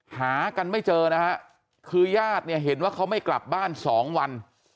หากันไม่เจอนะฮะคือญาติเนี่ยเห็นว่าเขาไม่กลับบ้านสองวัน